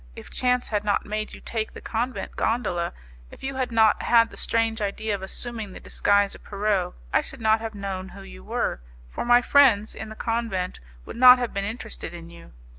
If chance had not made you take the convent gondola, if you had not had the strange idea of assuming the disguise of Pierrot, I should not have known who you were, for my friends in the convent would not have been interested in you.